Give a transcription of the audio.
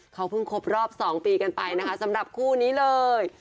เขาเพิ่งครบรอบ๒ปีกันไปนะคะสำหรับคู่นี้เลย